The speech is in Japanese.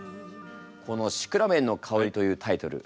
この「シクラメンのかほり」というタイトル。